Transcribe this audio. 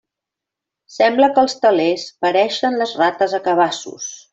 Sembla que els telers pareixen les rates a cabassos.